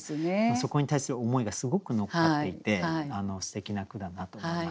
そこに対する思いがすごく乗っかっていてすてきな句だなと思いました。